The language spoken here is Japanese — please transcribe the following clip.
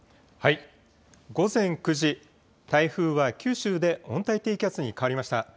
午前９時、台風は九州で温帯低気圧に変わりました。